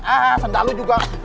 ah sendal lu juga